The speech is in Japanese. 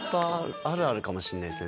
あるあるかもしれないですね。